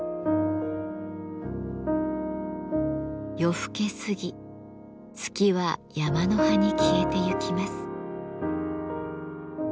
夜更け過ぎ月は山の端に消えてゆきます。